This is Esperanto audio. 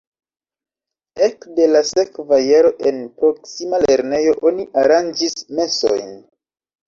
Ekde la sekva jaro en proksima lernejo oni aranĝis mesojn.